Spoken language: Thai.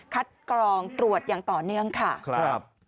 คัดกรองตรวจอย่างต่อเนื่องค่ะ